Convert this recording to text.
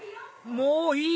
もういい！